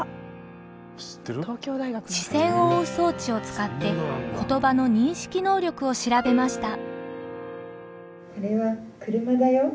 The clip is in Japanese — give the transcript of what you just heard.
視線を追う装置を使って言葉の認識能力を調べました。